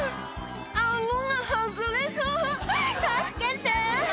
「顎が外れそう助けて」